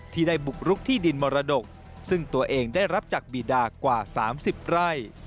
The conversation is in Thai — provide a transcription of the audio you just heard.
ได้บุกรุกที่ดินมรดกซึ่งตัวเองได้รับจากบีดากว่า๓๐ไร่